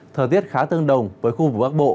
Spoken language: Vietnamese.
thời tiết khá tương đồng với khu vực bắc bộ